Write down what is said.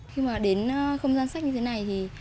khi mà đến không gian sách như thế này